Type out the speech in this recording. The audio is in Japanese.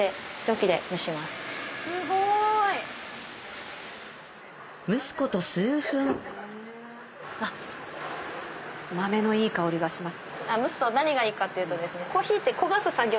すごい！蒸すこと数分あっ豆のいい香りがします。